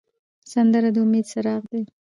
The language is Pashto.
سندره د امید څراغ دی